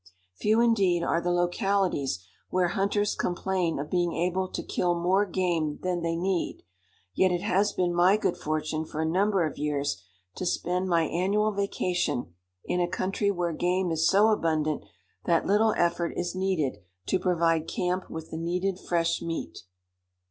Few indeed are the localities where hunters complain of being able to kill more game than they need; yet it has been my good fortune for a number of years to spend my annual vacation in a country where game is so abundant that little effort is needed to provide camp with the needed fresh meat.